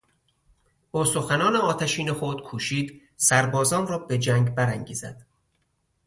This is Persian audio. با سخنان آتشین خود کوشید سربازان را به جنگ برانگیزد.